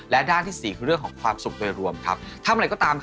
และด้านที่สี่คือเรื่องของความสุขโดยรวมครับทำอะไรก็ตาม